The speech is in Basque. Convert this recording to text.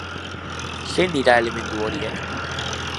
Zein dira elementu horiek?